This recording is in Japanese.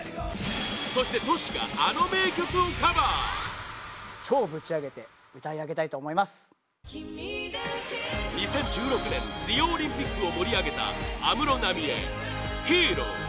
そして、Ｔｏｓｈｌ があの名曲をカバー２０１６年リオオリンピックを盛り上げた安室奈美恵「Ｈｅｒｏ」